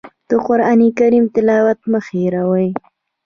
د قرآن کریم تلاوت مه هېروئ.